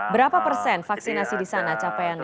berapa persen vaksinasi di sana capaiannya